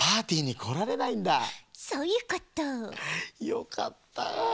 よかった。